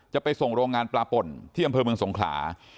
จะไปส่งโรงงานปลาป่นที่อำเภอเมืองสงขลา